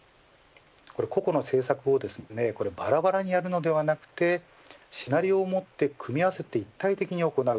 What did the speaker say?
個々の政策をばらばらにやるのではなくシナリオを持って組み合わせて一体的に行う